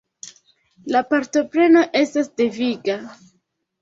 La partopreno estas deviga.